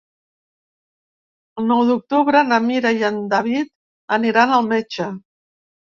El nou d'octubre na Mira i en David aniran al metge.